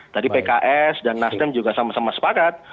tadi pks dan nasdem juga sama sama sepakat